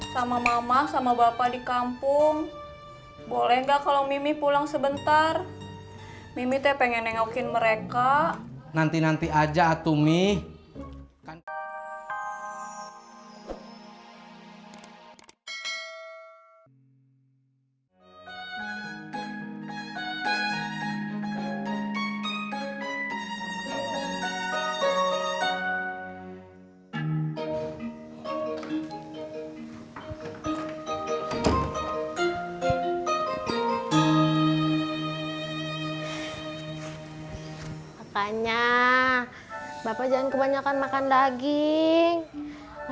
sampai jumpa di video selanjutnya